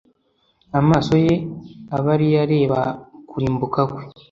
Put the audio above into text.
amaso ye abe ari yo areba kurimbuka kwe